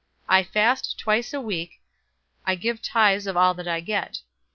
018:012 I fast twice a week. I give tithes of all that I get.'